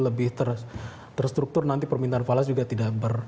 lebih terstruktur nanti permintaan falas juga tidak ber